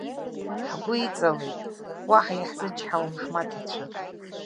Ҳгәы иҵалеит, уаҳа иаҳзычҳауам ҳмаҭацәа!